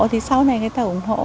thì sau này người ta ủng hộ